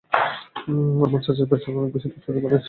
আমার চাচার প্রেসার অনেক বেশি আর শরীরে পানি আসে।